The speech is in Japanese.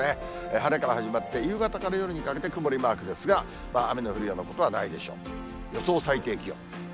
晴れから始まって、夕方から夜にかけて曇りマークですが、雨の降るようなことはないでしょう。予想最低気温。